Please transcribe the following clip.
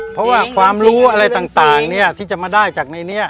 เพราะว่าความรู้อะไรต่างที่จะมาได้จากในนี้